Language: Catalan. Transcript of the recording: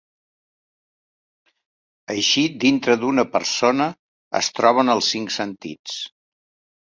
Així dintre d'una persona es troben els cinc sentits.